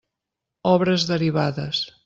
Obres derivades.